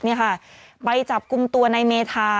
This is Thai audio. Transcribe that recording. ในค่ะใบจับกุมตัวในเมธา